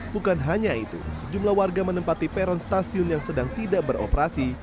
bukan hanya itu sejumlah warga menempati peron stasiun yang sedang tidak beroperasi